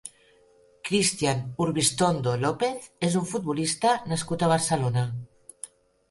Cristian Urbistondo López és un futbolista nascut a Barcelona.